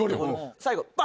最後。